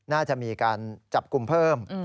น่าจะมีการจับกลุ่มเพิ่ม